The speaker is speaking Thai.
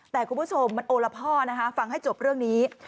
แต่คุณผู้ชมมันโอละพ่อนะคะฟังให้จบเรื่องนี้